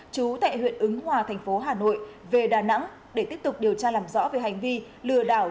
chú tại huyện ứng hòa thành phố hà nội về đà nẵng để tiếp tục điều tra làm rõ về hành vi lừa đảo